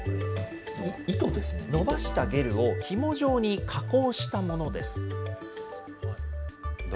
伸ばしたゲルをひも状に加工したものです。